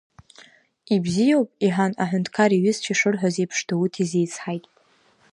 Ибзиоуп, — иҳәан, аҳәынҭқар иҩызцәа ишырҳәаз еиԥш, Дауҭ изицҳаит.